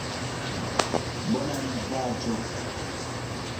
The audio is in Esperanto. Bona lingvaĵo.